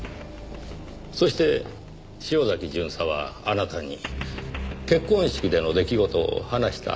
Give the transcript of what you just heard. そして潮崎巡査はあなたに結婚式での出来事を話した。